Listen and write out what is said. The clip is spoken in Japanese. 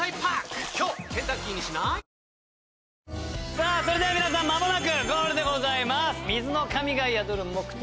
さぁそれでは皆さん間もなくゴールでございます！